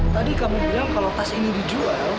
tadi kamu bilang kalau tas ini dijual